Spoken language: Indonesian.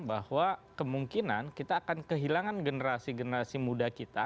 bahwa kemungkinan kita akan kehilangan generasi generasi muda kita